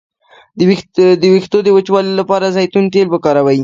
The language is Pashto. د ویښتو د وچوالي لپاره د زیتون تېل وکاروئ